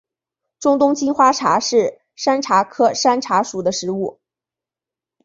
中东金花茶是山茶科山茶属的植物。